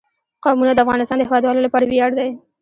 قومونه د افغانستان د هیوادوالو لپاره ویاړ دی.